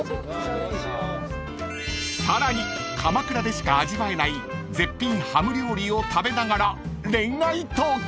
［さらに鎌倉でしか味わえない絶品ハム料理を食べながら恋愛トーク］